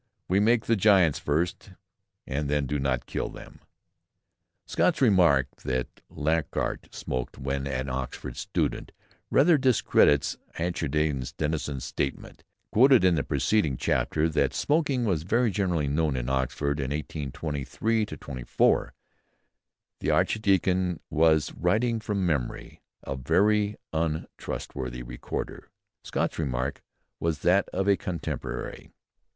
"We make the giants first, and then do not kill them." Scott's remark that Lockhart smoked when an Oxford student rather discredits Archdeacon's Denison's statement, quoted in the preceding chapter, that smoking was very generally unknown in Oxford in 1823 24. The archdeacon was writing from memory a very untrustworthy recorder; Scott's remark was that of a contemporary.